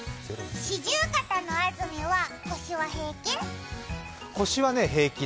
四十肩の安住は腰は平気？